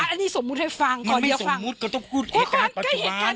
อันนี้สมมุติให้ฟังมันไม่สมมุติก็ต้องพูดเหตุการณ์ปัจจุบัน